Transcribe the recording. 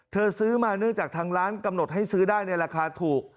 ซื้อมาเนื่องจากทางร้านกำหนดให้ซื้อได้ในราคาถูก